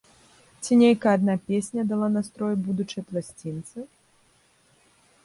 Ці нейкая адна песня дала настрой будучай пласцінцы?